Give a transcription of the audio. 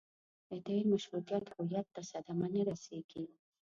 د تېر مشروطیت هویت ته صدمه نه رسېږي.